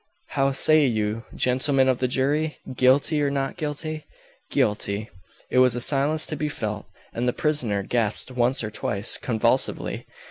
"How say you, gentlemen of the jury? Guilty, or not guilty?" "GUILTY." It was a silence to be felt; and the prisoner gasped once or twice convulsively.